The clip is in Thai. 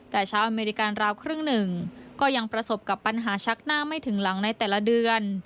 แต่ชาวอเมริการาวครึ่งหนึ่งก็ยังประสบกับปัญหาชักหน้าไม่ถึงหลังในแต่ละเดือน